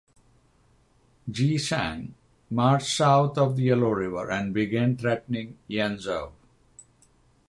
Ji Sang marched south of the Yellow River and began threatening Yanzhou.